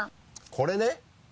これね？